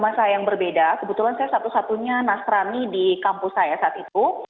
masa yang berbeda kebetulan saya satu satunya nasrani di kampus saya saat itu